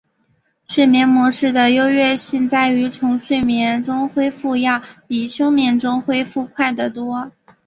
睡眠模式的优越性在于从睡眠中恢复要比从休眠中恢复快得多。